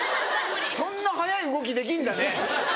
そんな早い動きできんだね。